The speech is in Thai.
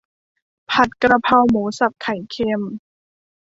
ผัดกะเพราหมูสับไข่เค็ม